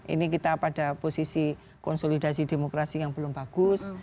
ini kita pada posisi konsolidasi demokrasi yang belum bagus